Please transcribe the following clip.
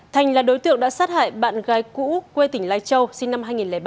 thành là đối tượng đã sát hại bạn gái cũ quê tỉnh lai châu sinh năm hai nghìn ba